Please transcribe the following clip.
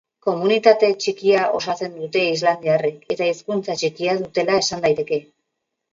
Komunitate txikia osatzen dute islandiarrek eta hizkuntza txikia dutela esan daiteke.